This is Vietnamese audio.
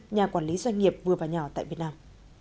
nhà quản lý doanh nghiệp vừa và nhỏ tại việt nam